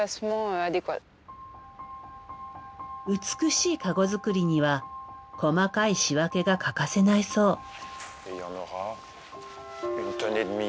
美しいかご作りには細かい仕分けが欠かせないそう。